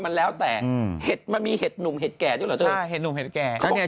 ๕๐๐๗๐๐มันแล้วแต่มันไม่มีเห็ดหนุ่มเห็ดแก่ด้วยหรอ